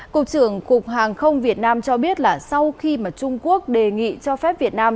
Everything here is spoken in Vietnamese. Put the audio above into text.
cục trưởng cục hàng không việt nam cho biết là sau khi mà trung quốc đề nghị cho phép việt nam